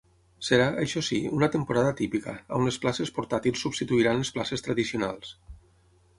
Serà, això sí, una temporada atípica, on les places portàtils substituiran les places tradicionals.